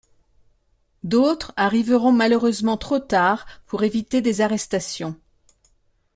D’autres arriveront malheureusement trop tard pour éviter des arrestations.